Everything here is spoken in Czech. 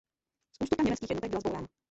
S ústupem německých jednotek byla zbourána.